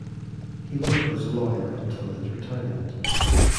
He worked as a lawyer until his retirement.